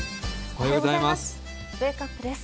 おはようございます。